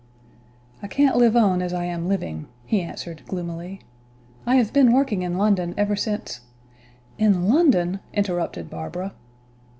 "I can't live on as I am living," he answered, gloomily. "I have been working in London ever since " "In London!" interrupted Barbara.